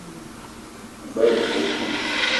Me gbele épölo